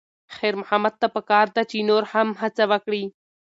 خیر محمد ته پکار ده چې نور هم هڅه وکړي.